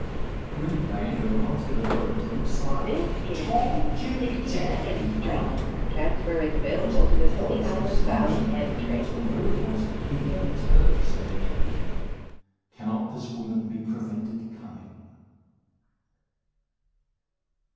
Gwynplaine, who had not said a word, broke silence. "Tom Jim Jack!" he cried. There was a pause of astonishment, during which the low voice of Dea was heard to say, "Cannot this woman be prevented coming."